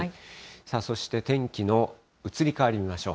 さあそして、天気の移り変わり見ましょう。